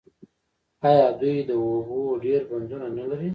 آیا دوی د اوبو ډیر بندونه نلري؟